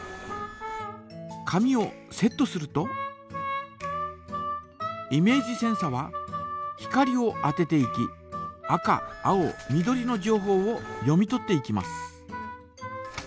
紙をセットするとイメージセンサは光を当てていき赤青緑のじょうほうを読み取っていきます。